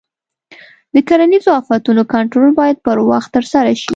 د کرنیزو آفتونو کنټرول باید پر وخت ترسره شي.